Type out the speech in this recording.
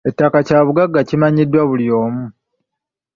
Ettaka kyabugagga ekimanyiddwa buli omu.